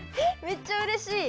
めっちゃうれしい。